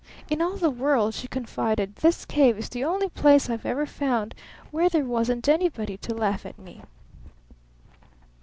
"In all the world," she confided, "this cave is the only place I've ever found where there wasn't anybody to laugh at me."